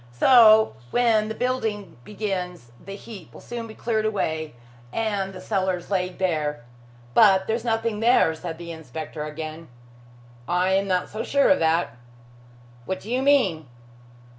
So when the building begins the heap will soon be cleared away and the cellars laid bare. But there's nothing there," said the inspector again. "I am not so sure of that." "What do you mean?"